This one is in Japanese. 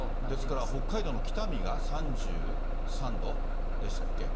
ですから、北海道の北見が３３度？でしたっけ。